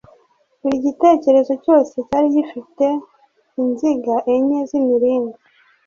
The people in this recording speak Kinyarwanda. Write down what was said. Buri gitereko cyose cyari gifite inziga enye z’imiringa